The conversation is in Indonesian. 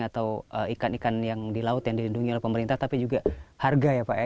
atau ikan ikan yang di laut yang dilindungi oleh pemerintah tapi juga harga ya pak ya